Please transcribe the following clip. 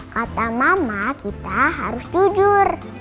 kata mama kita harus jujur